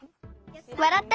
わらって！